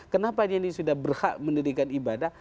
kenapa ini sudah berhak mendidikan ibadah